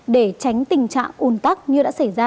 để tránh tình trạng ùn tắc như đã xảy ra